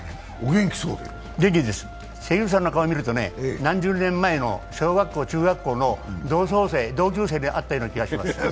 元気です、関口さんの顔を見ると何十年前の小学校、中学校の同窓生だった気がします。